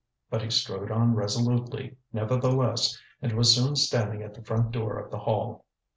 But he strode on resolutely, nevertheless, and was soon standing at the front door of the Hall.